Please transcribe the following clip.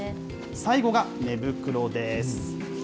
最後が寝袋です。